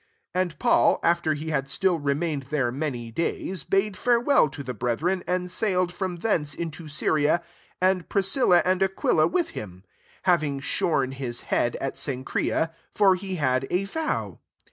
18 And Paul, after he had still remained there many days, bade farewel to the brethren, and sailed from thence into Syria, and Priscilla and Aquila with him ; having shorn hia head at Cenchrea : for be had a vow.